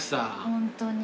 ホントに。